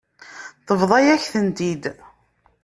Tebḍa-yak-tent-id.